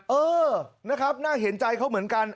เออนะครับน่าเห็นใจเขาเหมือนกัน